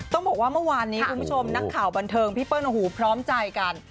ต้องบอกว่าเมื่อวานนี้คุณผู้ชมนักข่าวบันเทิงพี่เปิ้ลโอ้โหพร้อมใจกัน